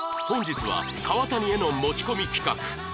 本日は川谷絵音持ち込み企画